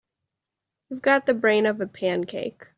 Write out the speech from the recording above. You've got the brain of a pancake.